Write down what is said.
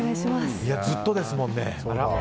ずっとですもんね。